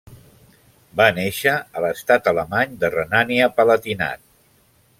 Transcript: Va néixer a l'estat alemany de Renània-Palatinat.